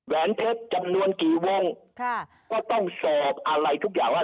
แหนเพชรจำนวนกี่วงค่ะก็ต้องสอบอะไรทุกอย่างว่า